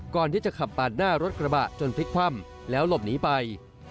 ก่อนที่จะขับปาดหน้ารถกระบะจนพลิกคว่ำแล้วหลบหนีไป